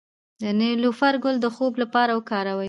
د نیلوفر ګل د خوب لپاره وکاروئ